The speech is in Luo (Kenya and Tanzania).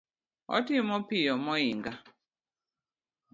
Otimo piyo moinga